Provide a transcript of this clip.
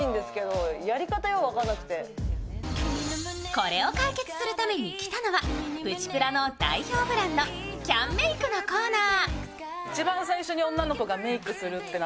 これを解決するために来たのは、プチプラの代表ブランドキャンメイクのコーナー。